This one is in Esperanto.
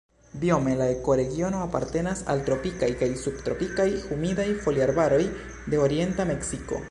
Biome la ekoregiono apartenas al tropikaj kaj subtropikaj humidaj foliarbaroj de orienta Meksiko.